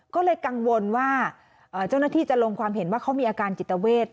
ก็เลยกังวลว่าเจ้าหน้าที่จะลงความเห็นว่าเขามีอาการจิตเวท